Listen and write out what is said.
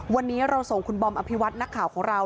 วันนี้เราส่งคุณบอมอภิวัตนักข่าวของเรา